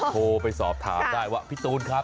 โทรไปสอบถามได้ว่าพี่ตูนครับ